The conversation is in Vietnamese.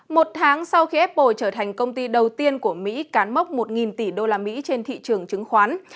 một tháng sau khi apple trở thành công ty đầu tiên của mỹ cán mốc một tỷ usd trên thị trường chứng khoán